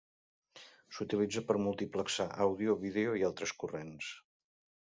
S'utilitza per multiplexar àudio, vídeo i altres corrents.